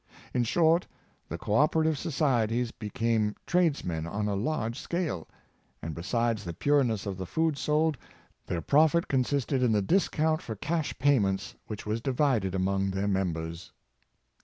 In short, the co operative societies became tradesmen on a large scale; and, besides the pureness of the food sold, their profit consisted in the discount for cash payments, which was divided among the members.